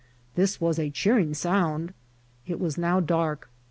This was a cheering sound. It was now dark.